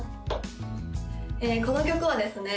この曲はですね